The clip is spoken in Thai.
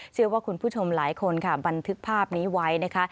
เชื่อว่าคุณผู้ชมหลายคนค่ะบันทึกภาพนี้ไว้นะคะ